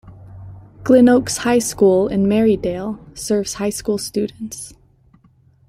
Glen Oaks High School in Merrydale serves high school students.